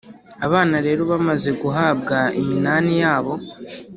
Abana rero bamaze guhabwa iminani yabo